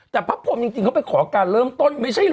แต่พระพรมจริงเขาไปขอการเริ่มต้นไม่ใช่เหรอ